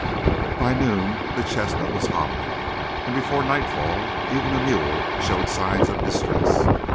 By noon the chestnut was hobbling, and before nightfall even the mule showed signs of distress.